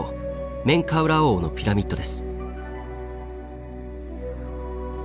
メンカウラー王のピラミッドです。